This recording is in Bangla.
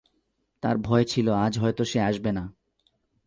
তার ভয় ছিল আজ হয়তো সে আসবে না।